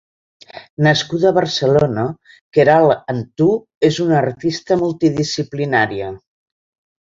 Nascuda a Barcelona, Queralt Antú és una artista multidisciplinària.